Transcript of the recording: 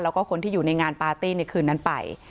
แล้วก็คนที่อยู่ในงานปาร์ตี้ในคืนนั้นไป